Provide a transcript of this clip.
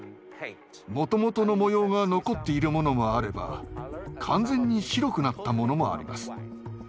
もともとの模様が残っているものもあれば完全に白くなったものもあります。